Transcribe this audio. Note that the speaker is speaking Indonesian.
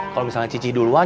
kalau misalnya cici duluan